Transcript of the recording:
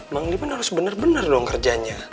mang diman harus bener bener dong kerjanya